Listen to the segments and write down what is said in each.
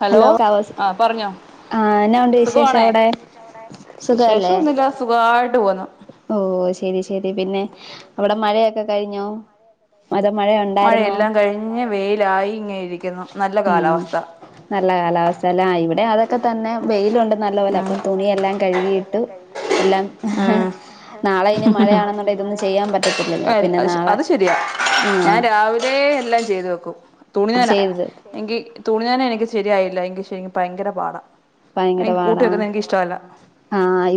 Hello! ആ പറഞ്ഞോ ആ എന്നാ ഉണ്ട് വിശേഷം സുഖമാണേ അവിടെ വിശേഷം ഒന്നുല്ല, സുഖായിട്ട് പോകുന്നു. ഓഹ് ശരി ശരി പിന്നെ അവിടെ മഴയൊക്കെ കഴിഞ്ഞോ? അതോ മഴയ മഴയെല്ലാം കഴിഞ്ഞ് വെയിലായി ഇങ്ങെയിരിക്കുന്നു, നല്ല ഉം കാലാവസ്ഥ. നല്ല കാലാവസ്ഥ അലെ ആയി ഇവിടെ അതൊക്കെ തന്നെ വെയിലുണ്ട് നല്ല പോലെ അപ്പം തുണി എല്ലാം കഴുകിയിട്ട് എല്ലാം ഉം നാളെ ഇനി മഴയാണെന്നുണ്ട ഇതൊന്നും ചെയ്യാൻ പറ്റത്തില്ലല്ലോ പിന്നെ നാളെ അത് ശരിയാ ഞാൻ ആഹ് രാവിലെ എല്ലാം ചെയ്തു വെക്കും തുണിന്നന ചെയ്തത് എങ്കി തുണി നന എനിക്ക് ശരിയായില്ല എങ്കി ശരി ഭയങ്കര പാടാ ഭയങ്കര എനിക്ക് കൂട്ടി പാടാ വെക്കുന്നത് എനിക്ക് ഇഷ്ടമല്ല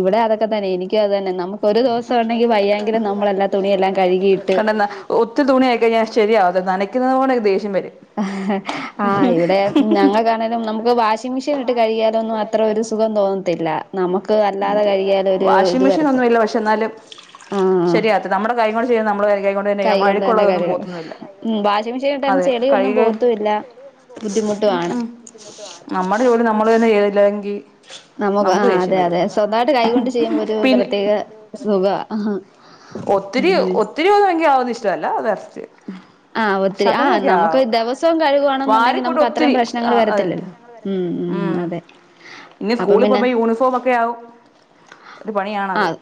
ഇവിടെ അതൊക്കെ തന്നെ ഇവിടെ എനിക്കും അത് അതൊക്കെ തന്നെ നമുക്ക് എനിക്ക അത് ഒരു തന്നെ ദിവസം നമുക്ക് ഒരു ഉണ്ടെങ്കിൽ ദിവസം വയ്യെങ്കിലും ആണെങ്കി നമ്മളെല്ലാ വയ്യെങ്കിലും തുണിയെല്ലാം നമ്മള കഴുകിയിട്ട് എല്ലാംത്ത ഒത്തിരി തുണിയായിയി കഴിഞ്ഞാൽ ശരിയാവാതില്ല നനക്കുന്നുന്നതോടെ എനിക്ക് ദേഷ്യം വരും ആ് ഇവിടെ ഞങ്ങൾക്കാണേലും നമുക്ക് വാ വാഷിംഗ് മിഷിനിൽ കഴുകിയാലൊന്നും അത്ര ഒരു സുഖം തോന്നത്തില്ല നമുക്ക് അല്ല വാഷിംഗ് മെഷീൻ ഒന്നും ഇല്ല പക്ഷെ എന്നാലും ശരിയാതില്ല നമ്മുടെ കൈ കൊണ്ട് ചെയ്യുന്നത് നമ്മൾ അന്നേ കയ്യ് കൈകൊണ്ട് തന്റെ കാഴുകണം വാഷിംഗ് മെഷീൻ ഇട്ടാലും അതെ കഴുകി ചെളിയൊന്നും പോകത്തൂല്ല ബുദ്ധിമുട്ടുമാണ് നമ്മുടെ ജോലി നമ്മള് തന്നെ ചെയ്തില്ലെങ്കിൽ നമുക്ക് ആ ദേഷ്യം അതെ വരും അതെ സ്വന്തമായിട്ട് കൈകൊണ്ട് ചെയ്യുമ്പോ ഒരു പിന്നെ പ്രത്യേക സുഖവാ ഒത്തിരിരുപത് മെങ്ക ആവുന്ന ഇഷ്ടമല്ല അത് അററ്റ് ആ ഒത്തിരി ആ നമുക്ക് ദിവസവും കഴുകുവാണെന്നുണ്ടെങ്കിൽ വാരിക്കൂട്ടും നമുക്ക് അത്രയും ഒത്തിരി പ്രശ്നങ്ങൾ ആ അതിന് വരത്തില്ലല്ലോ ഉം ഉ ഉം അതെ ഇനി അപ്പം സ്കൂളിൽ പോുമ്പോ പിന്നെ യൂണിഫോമഒക്കെ ആവും ഒരു പണിയാണത് ആഹ്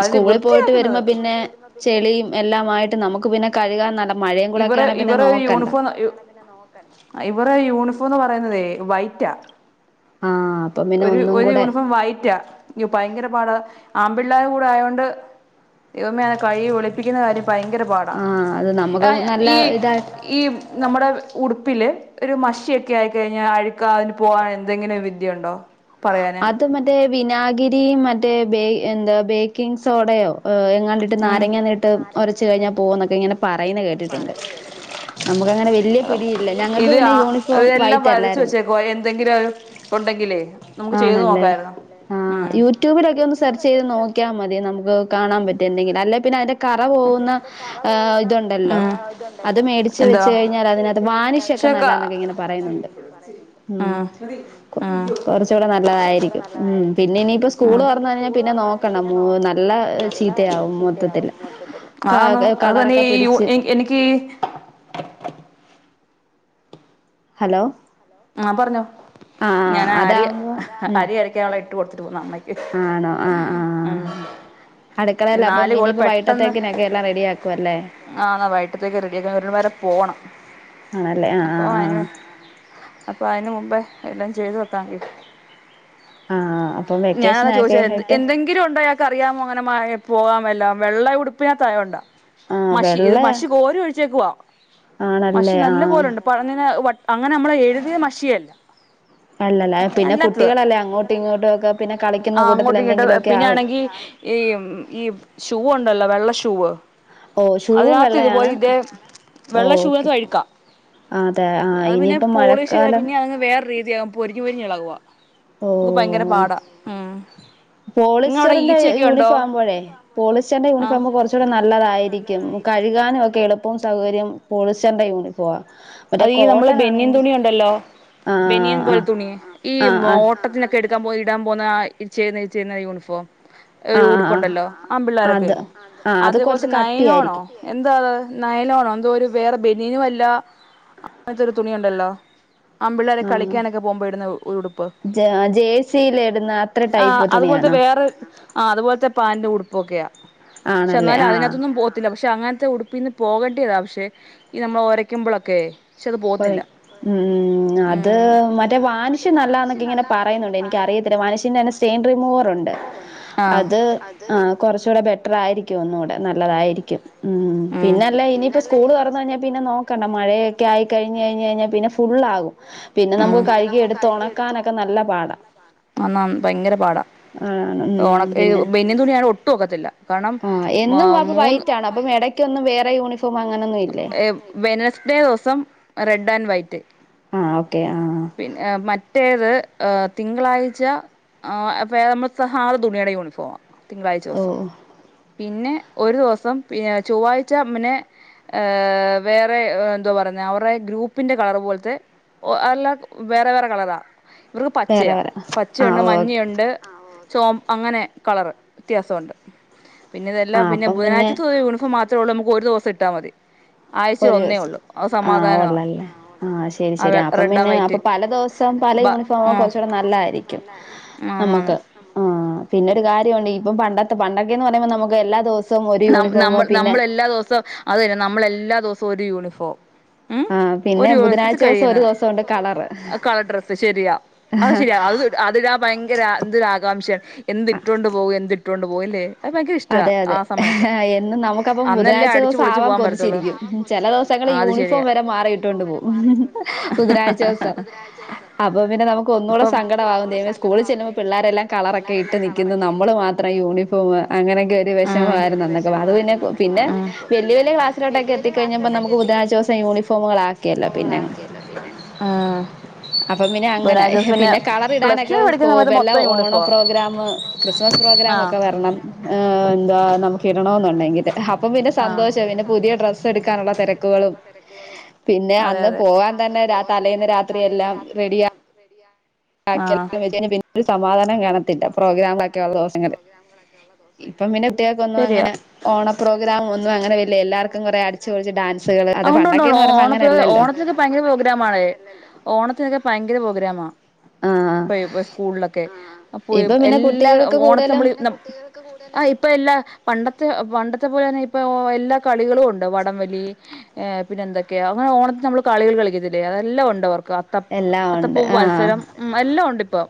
അതിനെ സ്കൂളിൽ പോയിട്ട് വൃത്തിയാക്കുന്നത് വരുമ്പോ പിന്നെ ചെളിയും എല്ലാ ആയിട്ട് നമുക്ക് പിന്നെ കഴുകാൻ മഴയും കൂടെ ഇവര് ഒക്കെയാണെ പിന്നെ ഇവർ നോക്കണ്ട യൂണിഫോം ഇവറെ യൂണിഫോം എന്ന് പറയതേ വൈറ്റാ ആ ഒരു ഒരു യൂണിഫോം വൈറ്റാ ഭയങ്കര പാടാ ആൺപിള്ളേരുടെ കൂടെ ആയതോണ്ട് ഇതമേ കൈ ഒളിപ്പിക്കുന്ന കാര്യം ഭയങ്കര പാടാണ് ആഹ് അത് നമുക്ക് നല്ല ഈ ഇതായിട്ട് ഈ നമ്മുടെ ഉടുപ്പിൽ ഒരു മഷിയൊക്കെ ആയിക്കഴിഞ്ഞാൽ അഴുക്കാ അതിന് പോകാൻ എന്തെങ്കിലും വിദ്യയുണ്ടോ പറയാന് അത് മ- മറ്റേ വിനാഗിരി മറ്റേ എന്താ ബേക്കിംഗ് സോഡയോ എങ്ങാണ്ടിട്ട് ഇട്ട് നാരങ്ങ നീട്ട് ഒരച്ച് കഴിഞ്ഞാൽ പോകുന്നൊക്കെ ഇങ്ങനെ പറയുന്ന കേട്ടിട്ടുണ്ട്. നമുക്ക് അങ്ങനെ വലിയ പിടിയില്ല ഞങ്ങൾക്ക് ഇത് ആ പിന്നെ യൂണിഫോം ഇതെല്ലാം വൈറ്റ് അല്ലായിരുന്നു [inaudible] എന്തെങ്കിലും ഉണ്ടെങ്കിലേ നമുക്ക് ചെയ്ത് ആണല്ലേ നോക്കായിരുന്നു ആ ഉം യൂട്യൂബിലൊക്കെ ഒന്ന് സെർച്ച് ചെയ്ത് നോക്കിയാൽ മതി നമുക്ക് കാണാൻ പറ്റും എന്തെങ്കിലും അല്ലെങ്കിൽ പിന്നെ അതിൻ്റെ കറ പോകുന്ന ഇതുണ്ടല്ലോ അത് മേടിച്ച് എന്താ വെച്ച് കഴിഞ്ഞാൽ അതിനകത്ത് വാനിശൊക്കെ ഒക്കെ പക്ഷെ ക നല്ലന്നൊക്കെ ഇങ്ങനെ പറയുന്നുണ്ട് ഉം ഉം കുറച്ച് കൂടെ നല്ലതായിരിക്കും ഉം പിന്നെ ഇനിയിപ്പോ സ്കൂൾ തുറന്ന കഴിഞ്ഞാൽ പിന്നെ നോക്കണ്ട നല്ല ചീത്തയാവും മൊത്തത്തിൽ ആന്നു അതന്നേയൂ എ എനിക്ക് ഹലോ ആ പറഞ്ഞോ ആഹ് ഞാൻ അരി അതാവുമ്പോ ഉം അരി അരക്കാൻ ഉള്ളത് ഇട്ട് കൊടുത്തിട്ട് പോന്നാമ്മയ്ക്ക് ആണോ ആ ആ അടുക്കളയിൽ നാല് അപ്പം കോള് ഇനിയിപ്പോ പെട്ടെന്ന് വൈകിട്ടത്തേനൊക്കെ എല്ലാം റെഡിയാക്കും അല്ലേ ആ വൈകിട്ടത്തേക്ക് റെഡി ആക്കാൻ ഒരു ടംവരെ പോണം. ആണല്ലേ ആ അപ്പൊ ആ അതിന് അപ്പൊ അതിന് മുമ്പേ എല്ലാം ചെയ്തു വെയ്ക്കാം കരുതി ആഹ് അപ്പം ഞാൻ അതാ വെക്കേഷനൊക്കെ ചോദിച്ചാ എന്ത് ആയിട്ട് എന്തെങ്കിലും ങ്കിരു ഉണ്ടായാ ക്കറിയാമോങ്ങനെ മായാ പോകാമെല്ലാം വെള്ള ഉടുപ്പിനാത്തായോണ്ടാ ആഹ് മഷി ഇത് വെള്ളയാ മഷി കോരി ഒഴിച്ചേക്കുവാ മഷി ആണല്ലേ നല്ല ആഹ് പോലെയുണ്ട് [inaudible] അങ്ങനെ നമ്മൾ എഴുതിയ മഷിയല്ല അല്ലല്ലേ പിന്നെ അല്ലാത്തത് കുട്ടികളല്ലേ അങ്ങോട്ടും ഇങ്ങോട്ടും ഒക്കെ പിന്നെ ആ കളിക്കുന്ന കൂട്ടത്തിൽ അങ്ങോട്ടും ഇങ്ങോട്ടും പിന്നെ എന്തെങ്കിലുമൊക്കെയാവും. ആണെങ്കി ഈ മ് ഈ മ് ഷൂവ് ണ്ടല്ലോ വെള്ള ഷൂവ് ഓ ഷൂവും അതിനകത്ത് ഇതുപോലെ വെള്ളയാണ് ഇതേ ഓ വെള്ള ഓക്കെ ശൂവിനത്ത് അഴുക്കാ. അതെ ആഹ് അഹ് പിന്നെ ഇനിയിപ്പം പോളിഷ് യ്താ മഴക്കാലം പിന്നെ അങ്ങ് വേറെ രീ തിയാ പൊരിഞ്ഞ് പൊരിഞ്ഞ് ഇളകുവാ ഭയങ്കര ഓ പാടാ. ഉം നിങ്ങവിടെ പോളിസ്റ്ററിന്റെ ഈച്ചയൊക്കെ ഉണ്ടോ യൂണിഫോം ആകുമ്പോഴേ പോളിസ്റ്ററിന്റെ യൂണിഫോം ആഹ് ആവുമ്പ കൊർച്ചൂടി നല്ലതായിരിക്കും കഴ്കാനും ഒക്കെ എളുപ്പവും സൗകര്യം പോളിസ്റ്ററിന്റെ യൂണിഫോ അത് ഈ നമ്മൾ ബനിയൻ തുണി ഉണ്ടല്ലോ ബനിയൻ ആഹ് പോലെ ആഹ് തുണി ഈ ആഹ് മോട്ടത്തിന പ്പ എടുക്കാൻ പോ ഇടാൻ പോന്ന ആഇച്ചെയ്ന്ന ഇച്ചെയ്ന്ന യൂണിഫോം ഒരു ആഹ് ആഹ് ഉടുപ്പുണ്ടല്ലോ ആൺ ആഹ് പിള്ളോരൊക്കെ അത് ആഹ് അത് അതേപോലെ കുറച്ച് തന്നെ നയനോണോ. കട്ടിയായിരിക്കും എന്താ അത് നയലോണോ എന്തോ ഒരു വേറെ ബനീയനും അല്ല അങ്ങൻത്തൊരു തുണി ഉണ്ടല്ലോ ആൺപിളേളർ ആഹ് കളിക്കാനൊക്കെ പോകുമ്പോയിടുന്ന ഉടുപ്പ് ജേഴ്സിൽ ഇടുന്ന അത്ര ആഹ് ടൈപ്പ് അത്പോലത്തെ തുണിയാണോ വേറെ ആഹ് അത്പോലത്തെ പാന്റ് ഉടുപ്പൊക്കെയാ. ക്ഷെ ആണല്ലേ ന്നാലും ആഹ് അതിനകത്ത്ന്നും പോ ത്തില്ല പക്ഷെ അങ്ങൻത്തെ ഉടുപ്പിന്ന് പോകേണ്ടേതാ പക്ഷെ ഈ നമ്മളെ ഒരയ്ക്കുമ്പോളൊക്കെ പക്ഷെ അത് പോക്ന്നില്ല. പറയും ഉം അത് മറ്റേ വാനിഷ് നല്ലാ ന്നൊക്കെ ഇങ്ങനെ പറയുന്നുണ്ട് എനിക്ക് അറിയത്തില്ല വാനിഷിൻ്റെ തന്നെ തേൻ റിമൂവർ ഉണ്ട് ആഹ് അത് ആഹ് കൊർച്ചൂടെ ബെറ്റർ ആയിരി ഒന്നൂടെ നല്ലതായിരിക്കും ഉം പിന്നെല്ലേ ഇനിയിപ്പ സ്കൂൾ തൊറന്ന് ഴിഞ്ഞാ പിന്നെ നോ കണ്ട മഴയൊക്കെ ആയി കഴിഞ്ഞ് കഴിഞ്ഞ് കഴിഞ്ഞാ പിന്നെ ഫുള്ളാകും. പിന്നെ നമുക്ക് കഴ്കി എട്ത്ത് ഒണക്കാനൊക്കെ നല്ല പാടാ. ആന്നാ ഭയങ്കര പാടാ ആണ് ഉം ഓണ ഹ് പിന്നെ ബെന്നിയൻ തുണി ആണെ ഒട്ടും ഒക്കത്തില്ല. കാണം മാ മൂന്ന് പ്പം എടയ്ക്കൊന്നും വേറെ യൂണിഫോം അങ്ങനൊന്നും ഇല്ലേ? വെനസ്ഡേ ദിവസം റെഡ് ആൻഡ് വൈറ്റ്. ആഹ് ഓക്കേ ആഹ്. പിന്നെ ഏഹ് മറ്റേത് ഏഹ് തിങ്കളാഴ്ച ആഹ് അപ്പേ നമ്മള് സഹാറ തുണിയുടെ യൂണിഫോമാ തിങ്കളാഴ്ച ദിവസം. ഓഹ് പിന്നെ ഒരു ദിവസം പിന്നെ ചൊവ്വാഴ്ച മ് പിന്നെ ഏഹ് വേറെ എന്തുവാ പറയുന്നെ അവർടെ ഗ്രൂപ്പിന്റെ കളർ പോലത്തെ ഓഹ് അല്ല വേറെ വേറെ കളറാ. ഇവർക്ക് വേറെ പച്ചയാ വേറെ ആഹ് പച്ചയുണ്ട്, ഓക്കെ മഞ്ഞയുണ്ട് ചോമ് അങ്ങനെ കളറ് വ്യത്യാസോണ്ട്. പിന്നെ ആ ഇതെല്ലാം പിന്നെ അപ്പം ബുധനാഴ്ചത്തെത് യൂണിഫോം മാ ത്രൊള്ളൂ നമുക്ക് ഒരു ദിവസട്ടാ മതി. ആഴ്ചയിൽ ഒന്നേ ഒരുസ് ഉള്ളൂ അത് ആഹ് സമാധാനമാണ് ഒള്ളല്ലേ? ആഹ് ശരി ആഹ് ശരി അപ്പം ഉള്ളത് അത് ശരിയാ പിന്നെ അപ്പം പല ദിവസം പല യൂണിഫോമ് കൊർച്ചൂടെ നല്ലായിരിക്കും നമ്മക്ക്. നമുക്ക് ആഹ് പിന്നൊരു കാര്യോണ്ട് ഇപ്പം പണ്ടത്തെ പണ്ടൊക്കേന്ന് പറിമ്പോ നമുക്ക് എല്ലാ ദിവ നമ് നമ്മൾ നമ്മളെല്ലാദിവസോം അതന്നെ നമ്മളെല്ലാ ദിവസവും ഒരു യൂണിഫോം. ഉം ആ പിന്നെ ഒരു യൂണിവേഴ്സിറ്റി ബുധനാഴ്ച ദിവസം കഴിയുന്ന ഒരു ദിവസമുണ്ട് കളറ് അത് കളർ ഡ്രസ്സ് ശെരിയാ. അഹ് ശരിയ അഹ് അത് താ ഭയങ്കര എന്തൊരുകാംക്ഷ എന്തിട്ടോണ്ട് പോകും എന്തിട്ടോണ്ട് പോകും ല്ലേ? അത് ഭയങ്കര ഇഷ്ടാ. അതെ അതെ എന്നും നമുക്കപ്പം ബുധനാഴ്ച ദിവസാവാൻ ദിവസം ആവാൻ കൊതിച്ചിരിക്കും. ചെല ദിവസങ്ങള് ചില യൂണിഫോം ദിവസങ്ങള് വരെ മാറിയിട്ടോണ്ട് പോ ബുധനാഴ്ചവസം അപ്പം പിന്നെ നമുക്ക് ഒന്നൂടെ സങ്കടാവും ദേവെ സ്കൂളി ചെല്ലുമ്പോ പിള്ളേരെല്ലാം കളറൊക്കെ ഇട്ട് നിക്കുന്നു നമ്മള് മാത്രം യൂണിഫോമ് അങ്ങനെക്കെ ഒരു വെ ഷമായിരുന്നു അന്നൊക്കെ അത് പിന്നെ പിന്നെ വല്ല്യ വല്ല്യ ക്ലാസിലോട്ടൊക്കെ എത്തിക്കഴിഞ്ഞപ്പോ നമുക്ക് ബുധനാഴ്ച്ചോസം യൂണഫോമുകളാ. ആഹ്. അപ്പം പിന്നെ അങ്ങനായി. പിന്നെ കളറ് പ്ലസ് ഇടാനൊക്കെ ടു സ്കോ പഠിക്കുന്ന സമയത്ത് വെല്ല മൊത്തം ഓണ യൂണിഫോമാ പ്രോഗ്രാമ് ക്രിസ്മസ് ആഹ് പ്രോഗ്രാമൊക്കെ വരണം ഏഹ് എന്താ നമുക്ക് ഇടണോന്നുണ്ടെങ്കിൽ. അപ്പം പിന്നെ സന്തോഷാ പിന്നെ പുതിയ ഡ്രസ്സ് എട്ക്കാനുള്ള തെരക്കുകളും പിന്നെ അന്ന് പോവാൻ തന്നെ രാ തലേന്ന് രാത്രി എല്ലാം റെഡിയാ യാക്കിയാൽ ആഹ് [unintelligible] സമാധാനം കാണത്തില്ല പ്രോഗ്രാമൊക്കെ ഒള്ളദോസങ്ങള് ഇപ്പം പിന്നെ കുട്ട്യേക്കൊന്നും ശരിയാ അങ്ങനെ ഓണ പ്രോഗ്രാമും ഒന്നും അങ്ങനെ വര്ല എല്ലാർക്കും കൊറേ അടിച്ച് പൊളിച്ച് ഡാൻ ആഹ് ഉണ്ട് ഉണ്ട് ഓ ഓണ പരിപാട്യ ഓണത്തിന് ഭയങ്കര പ്രോഗ്രാമാണേ ഓണത്തിനൊക്കെ ഭയങ്കര പാേഗ്‌രാമാ ആഹ് ഇപ്പൊ ഈ സ്കൂൾലൊക്കെ ആഹ് ആഹ് അപ്പോ ഇ ഇപ്പൊ പിന്നെ എല്ലാ കുട്ടികൾക്ക് കൂടുതലും ഓണത്തമ്മളീ ന ത്തുകൂടല് ആഹ് ഇപ്പ എല്ലാ പണ്ടത്തെ പണ്ടത്തെ പോലെ തന്നെ ഇപ്പൊ എല്ലാ കളികളൂണ്ട് വടംവലീ ഏഹ് പിന്നെ എന്തൊക്കെയാ അങ്ങെനെ ഓണത്തിനമ്മള് കളികള് കളിക്കത്തില്ലേ അതെല്ലാം ഒണ്ടവർക്ക് അ ത്തം എല്ലാം ഉണ്ട് അത്തപൂവ് ആഹ് മത്സരം എല്ലാം ഒണ്ടിപ്പോ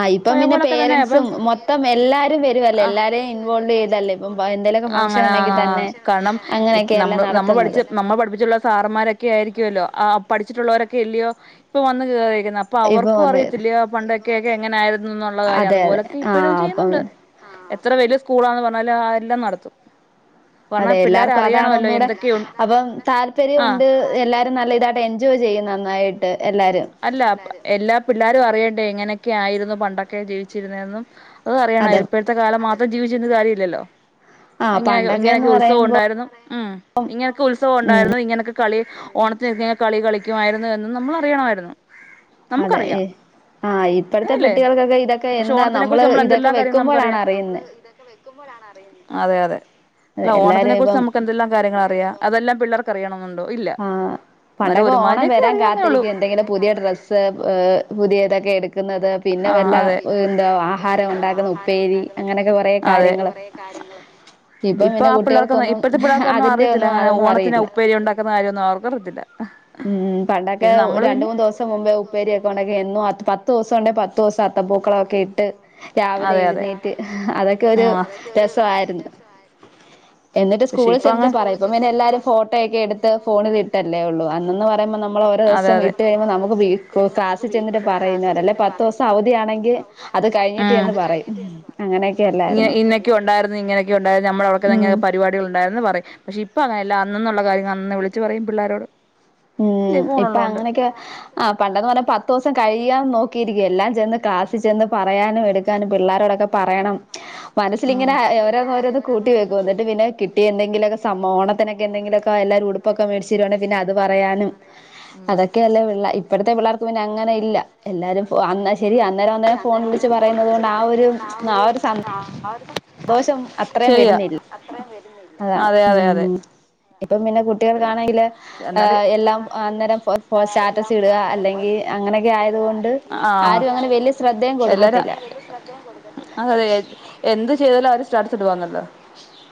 ആഹ് ഇപ്പം പിന്നെ പേരെൻസും മൊത്തം എല്ലാരും വരുവെല്ലേ എല്ലാരെയും ഇൻവോൾവെയ്തല്ലേ ഇപ്പം ഭ എന്തേലൊക്കെ ഫംഗഷനുണ്ടെങ്കി തന്നെ അങ്ങനെയൊക്കെയല്ലേ നടത്ത്ന്നത് നമ്മളെ പഠപ്പിച്ചിട്ടുള്ള സാറമാരൊക്കെ ആയിരിക്കു അല്ലോ ആഹ് പഠിച്ചിട്ടുള്ളോരൊക്കെയെല്ലിയോ ഇപ്പൊ വന്ന് കേറിയിരിക്ക ന്നെ അ പ്പം ഇപ്പൊ അവർക്കും വന്ന് അറിയത്തില്ല്യാ പണ്ടെക്കെയെക്കെ എങ്ങെനായ്ര്ന്നുന്നുള്ള കാര്യം അതെ അതെ അതുപോലൊക്കെ ഇപ്പഴും ആഹ് അപ്പം ചെയ്യ്ന്ന്ണ്ട് ആഹ് എത്രെ വെല്യ സ്കൂളാന്ന് പർഞ്ഞാലും അതെല്ലാം നടത്തും അതെ കാരണം പിള്ളേർ എല്ലാർക്കും അതാണ് അറിയണമല്ലോ ഒന്നൂടെ എന്തൊക്കെയു അപ്പം താല്പര്യം ഉണ്ട് എല്ലാരും നല്ല ഇതായിട്ട് എൻജോയ് ചെയ്യും നന്നായിട്ട് എല്ലാരും അല്ലാ എല്ലാ പിള്ളാരും അറിയട്ടെ എങ്ങെനെക്കെ ആയിര്ന്നു പണ്ടൊക്കെ ജീവിച്ചിര്ന്നേന്നും അതും അറിയണം അതെ ഇപ്പഴത്തെ കാലം മാത്രം ജീവിച്ചിരിന്നിട്ട് കാര്യമില്ലല്ലോ ആഹ് ഇങ്ങെനെ ഇങ്ങെനെക്കെ പണ്ടൊക്കെന്ന് ഉത്സവം പറയുമ്പോ ഉണ്ടായ്ര്ന്നു ഉം ഇങ്ങെനെക്കെ ഉത്സവം ഉം ഉണ്ടായ്ര്ന്നു ഇങ്ങെനൊക്കെ കളി ഓണത്തിനൊക്കെങ്ങെനെ കളി കളിക്കുമായിരിന്ന് എന്നും നമ്മളറിയണമായിര്ന്നു അതെ യെസ് ആഹ് ഇപ്പഴത്തെ അതല്ലേ കുട്ടികൾക്കൊക്കെ ഇതൊക്കെ പക്ഷെ എന്താ ഓണത്തിനെ നമ്മള് കുറിച്ച് നമ്മൾ ഇതൊക്കെ എന്തെല്ലാം വെക്ക്മ്പഴാണ് അറിയ്ന്നെ മ്പഴാണ് അറിയ്ന്നേ അതെ അതെ അല്ല ഓണത്തിനെ എല്ലാരും കുറിച്ച് ഇപ്പം നമുക്ക് എന്തെല്ലാം കാര്യങ്ങളറിയാം അതെല്ലാം പിള്ളേറ് ക്കറിയണംന്നുണ്ടോ ഇല്ല ആഹ് എന്നാലും പണ്ടൊക്കെ ഓണം ഒരുമാതിരിയൊക്കെ വരാൻ അറിയാന്നേ ഒള്ളൂ കാത്തിരിക്കും എന്തെങ്കിലും പുതിയ ഡ്രസ്സ് ഏഹ് പുതിയതെക്കെ എട് ക്ക്ന്നത് പിന്നെ വല്ല എന്താ ആഹാരം ഉണ്ടാക്ക്ന്ന ഉപ്പേരി അങ്ങനെക്കെ കൊറേ കാര്യങ്ങള് ങ്ങള് ഇപ്പം ഇപ്പൊ പിന്നെ ആ പിള്ളേർക്കൊന്നും കുട്ടികൾക്കൊന്നും ഇപ്പഴ്ത്തെ പിള്ളേർക്കൊന്നും അതിന്റെ അറിയത്തില്ല ഒന്നും ങ്ങെനെ അതൊന്നും ഓണത്തിന് അറിയില്ല ഉപ്പേരി ഉണ്ടാ ക്ക്ന്ന കാര്യാെന്നും അവർക്കറിയത്തില്ലാ ഉം പണ്ടൊക്കെ രണ്ട് മൂന്ന് ദിവ്സ് മുമ്പേ ഉപ്പേരിയൊക്കെ ഒണ്ടാക്കി എന്നും അ പത്തൂസണ്ടേ പത്തൂസം അത്തപ്പൂക്കളാെക്കെ ഇട്ട് രാവിലെ എഴ്ന്നേറ്റ് അതൊക്കെ ഒരു രസവായ്ര്ന്ന് എന്നിട്ട് സ്കൂളി ചെന്നിട്ട് പറയും ഇപ്പം പിന്നെ എല്ലാരും ഫോ ട്ടോയൊക്കെ എട്ത്ത് ഫോണിലിട്ടെല്ലേ ഒള്ളൂ അന്നെന്ന്‌ പറയ്മ്പോ നമ് നമ്മള് ഓരോ ദിവസം അന്നേരം ഇട്ട് കഴിയുമ്പോ നമുക്ക് വീ ക് ക്ലാസ്സി ചെന്നിട്ട് പറയുന്നവരെ അല്ലെ പത്തൂസം അവധി ആണെങ്കി അത് കഴിഞ്ഞിട്ട് ചെന്ന് പറയും അങ്ങനെയെക്കെ ഇങ്ങനെ എല്ലായിര്ന്നോ ഇന്നൊക്കെ ഉം ടികളുണ്ടായെന്ന് പറയും പക്ഷെ ഇപ്പ അങ്ങെനെല്ലാ അന്നന്നുള്ള കാര്യങ്ങള് അന്നന്ന് വിളിച്ച് പറയും പിള്ളാരോട് ഊം ഇപ്പൊ അങ്ങെനെക്കെ ആഹ് പണ്ടെന്ന് പർഞ്ഞ പത്തൂസം കഴിയാൻ നോക്കിയിരിക്കാ എല്ലാം ചെന്ന് ക്ലാസി ചെന്ന് പറയാനും എട് ക്കാനും പിള്ളാരോടൊക്കെ പറയണം മനസ്സിലിങ്ങെന ഓരോന്ന് ഓരോന്ന് കൂട്ടിവെക്കും എന്നിട്ട് പിന്നെ കിട്ടിയെന്തെങ്കിലൊക്കെ സമ്മോ ഓണത്തിനൊക്കെ എന്തെങ്കിലൊക്കെ പ്പ എല്ലാരും ഉട്പ്പൊക്കെ മേടിച്ചെരുവാണേ പിന്നെ അത് പറ റയാനും ഉം അതൊക്കെയല്ലേ പിള്ള ഇപ്പഴ്ത്തെ പിള്ളേർക്ക് പിന്നെ അങ്ങെനെ ഇല്ല എല്ലാരും ഒ അന്നാ ശെരി അന്നേരം അന്നേരം ഫോൺ വിളിച്ച് പറയ്ന്നത് കൊണ്ട് ആ ഒരു ച് ആ ഒരു സ ആഹ് ആ ഒരു ന്തോഷം അത്രേം വര്ന്നിൽ അതാണ് അതെ അതെ അതെ ഉം ഇപ്പം പിന്നെ കുട്ടികൾക്കാണെങ്കില് പക്ഷെ എന്നാല് ഏഹ് എല്ലാം അന്നേരം ഫോ ഫോ സ്റ്റാറ്റസ് ഇടുക അന്നേരം ഫോ അല്ലെങ്കിൽ ഫോ അങ്ങനെയൊക്കെ ആയതുകൊണ്ട് സ്റ്റാറ്റസ്ട്കാ ആരും അങ്ങനെ വലിയ ശ്രദ്ധയും ആഹ് എല്ലാരും കൊടുക്കത്തില്ല അതെയതെ എ എന്ത് ചെയ്താലും അവര് സ്റ്റാറ്റസ് ഇടുവാന്നല്ലാ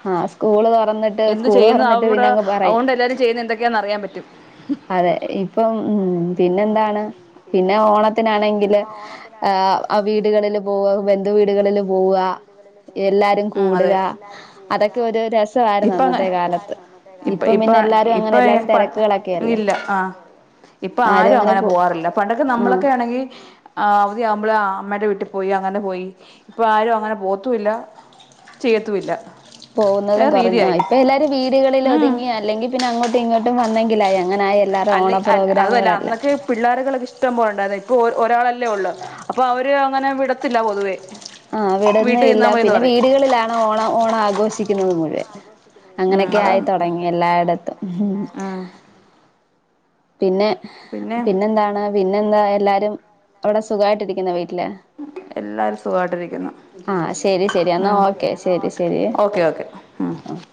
ആ സ്കൂള് തുറന്നിട്ട് എന്ത് സ്കൂള് ചെയ്യ്ന്നു തുറന്നിട്ട് പിന്നെ അവ്ടെ അങ്ങ് പറയും അതുകൊണ്ട് എല്ലാരും ചെയ്യ്ന്നെ എന്തെക്കെയാന്ന് അറിയാം പറ്റും അതെ ഇപ്പം ഉം പിന്നെന്താണ് പിന്നെ ഓണത്തിനാണെങ്കില് ആഹ് ആ വീട്കളില് പോവാ ബെന്ധുവീട്കളില് പോവാ എല്ലാരും കൂട്കാ എല്ലാരും കൂടുക അതൊക്കെ ഒരു അതൊക്കെ രസവായ്ര്ന്നു ഒരു അന്നത്തെ കാലത്ത് രസമായിരുന്നു അന്നത്തെ ഇപ്പം പിന്നെ എല്ലാരും അങ്ങെനെ എല്ലാരും തെരക്ക്കളെ ഇല്ല ആ ഇപ്പൊ ആരും അങ്ങനെ പോവാറില്ല പണ്ടൊക്കെ ആഹ് നമ്മളൊക്കെ ആണെ അവധിയാവുമ്പള് അമ്മയുടെ വീട്ടി പോയി അങ്ങനെ പോയി ഇപ്പോ ആരും അങ്ങനെ പോവത്തൂല്ല ചെയ്യത്തൂല്ല പോകുന്നതും കുറഞ്ഞു ഇപ്പൊ എല്ലാരും വീടുകളിൽ ഉം ഒതുങ്ങി അല്ലെങ്കിൽ പിന്നെ അങ്ങോട്ടും ഇങ്ങോട്ടും വന്നെങ്കിലായി അങ്ങനെയായി എല്ലാരുടേം ഓണ പ്രോഗ്രാമുകളെല്ലാം പിള്ളോരുകളൊക്കെ ഇഷ്ടം പോല ഉണ്ടായിരുന്നു ഇപ്പൊ ഒ ഒരാളല്ലേ ഉള്ളു അപ്പൊ അവര് അങ്ങനെ വിടത്തില്ല പൊതുവേ ആഹ വീട്ടിൽ വിടന്നേല്ല നിന്നാ മതിന്ന് പിന്നെ പറയും വീടുകളിലാണ് ഓണം ഓണം ആഘോഷിക്കുന്നത് മുഴുവൻ ഉം അങ്ങനൊക്കെ അതാണ് ആയിത്തൊടങ്ങി എല്ലായിടത്തും ഉം പിന്നെ പിന്നെ പിന്നെന്താണ് എല്ലാരും അവിടെ സുഖായിട്ടിരിക്കുന്ന വീട്ടില് എല്ലാവരും സുഖമായിട്ടിരിക്കുന്നു ആഹ് ശരി ശരി എന്നാ ഓക്കെ ശരി ഓക്കെ ഓക്കെ ആഹ്